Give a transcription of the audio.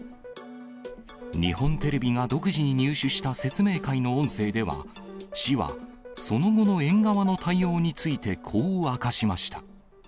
日本テレビが独自に入手した説明会の音声では、市は、その後の園側の対応についてこう明かしました。